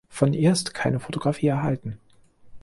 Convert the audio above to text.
Von ihr ist keine Fotografie erhalten.